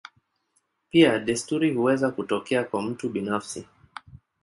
Pia desturi huweza kutokea kwa mtu binafsi.